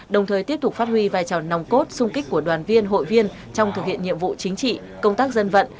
đồng thời tiếp tục phát huy vai trò nòng cốt sung kích của đoàn viên hội viên trong thực hiện nhiệm vụ chính trị công tác dân vận